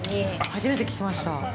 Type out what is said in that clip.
初めて聞きました。